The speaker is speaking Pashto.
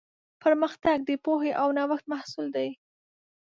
پرمختګ د پوهې او نوښت محصول دی.